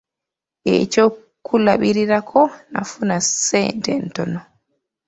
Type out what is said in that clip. Ekyokulabirako: “Nafuna ssente ntono".